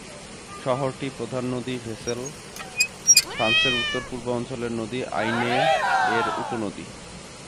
শহরটির প্রধান নদী ভেসেল, ফ্রান্সের উত্তর-পূর্ব অঞ্চলের নদী 'আইনে'-এর উপনদী।